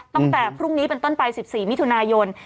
ตั้งแต่พรุ่งนี้เป็นต้นไป๑๔มิถุนายน